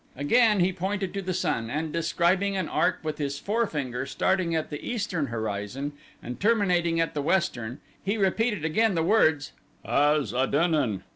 Again he pointed to the sun and describing an arc with his forefinger starting at the eastern horizon and terminating at the western, he repeated again the words as adenen.